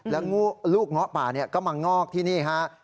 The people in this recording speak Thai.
และลูกง้อป่าก็มางอบที่นี่